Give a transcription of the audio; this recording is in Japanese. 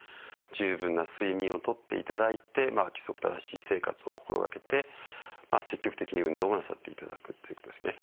十分な睡眠をとっていただいて規則正しい生活を心がけて積極的に運動をなさっていただくということですね。